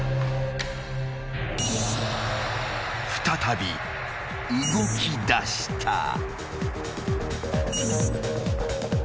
［再び動きだした］